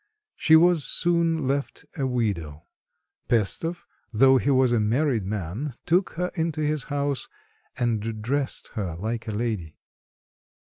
She was soon left a widow; Pestov, though he was a married man, took her into his house and dressed her like a lady.